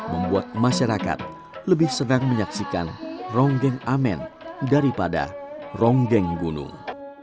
membuat masyarakat lebih sedang menyaksikan ronggeng amen daripada ronggeng gunung